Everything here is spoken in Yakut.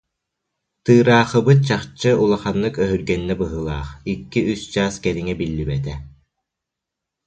Тыыраахыбыт чахчы улаханнык өһүргэннэ быһыылаах, икки-үс чаас кэриҥэ биллибэтэ